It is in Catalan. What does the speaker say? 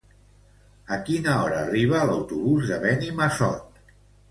A quina hora arriba l'autobús de Benimassot?